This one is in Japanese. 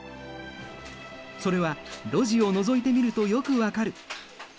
それは路地をのぞいてみるとよく分かる。